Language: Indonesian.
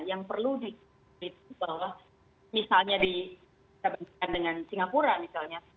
yang perlu dikira bahwa misalnya dikira dengan singapura misalnya